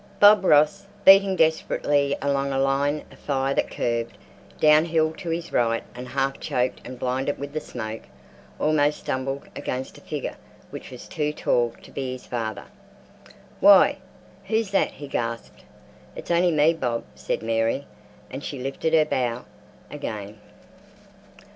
Bob Ross, beating desperately along a line of fire that curved down hill to his right, and half choked and blinded with the smoke, almost stumbled against a figure which was too tall to be his father. "Why! who's that?" he gasped. "It's only me, Bob," said Mary, and she lifted her bough again.